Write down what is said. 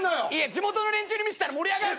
地元の連中に見せたら盛り上がる。